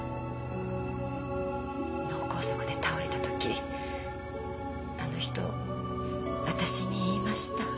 脳梗塞で倒れた時あの人私に言いました。